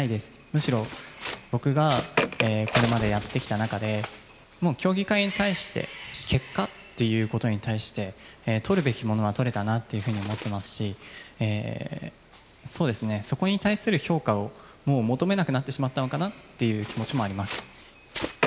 むしろ、僕がこれまでやってきた中で、もう競技会に対して、結果っていうことに対して、取るべきものは取れたなっていうふうに思ってますし、そうですね、そこに対する評価をもう求めなくなってしまったのかなという気持ちもあります。